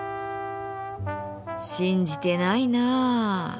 信じてないなあ。